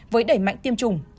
với đẩy mạnh tiêm chủng